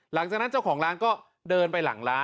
หลังจากนั้นเจ้าของร้านก็เดินไปหลังร้าน